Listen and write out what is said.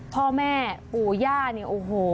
พ่อแม่ปู่ย่าเนี่ยโอ้โห